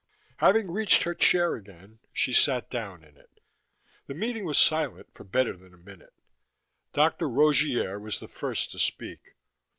Having reached her chair again, she sat down in it. The meeting was silent for better than a minute. Dr. Rogier was the first to speak.